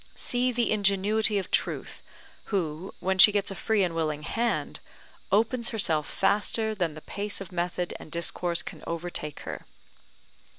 See the ingenuity of Truth, who, when she gets a free and willing hand, opens herself faster than the pace of method and discourse can overtake her.